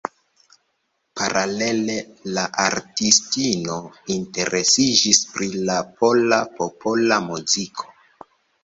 Paralele la artistino interesiĝis pri la pola popola muziko.